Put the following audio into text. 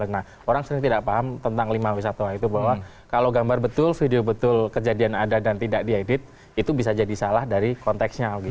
nah orang sering tidak paham tentang lima wisatawan itu bahwa kalau gambar betul video betul kejadian ada dan tidak diedit itu bisa jadi salah dari konteksnya